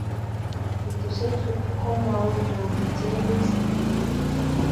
petusiek chuu kumawendatei chepyoso inekei